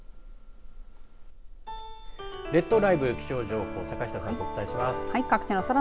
列島ＬＩＶＥ気象予報士、坂下さんとお伝えします。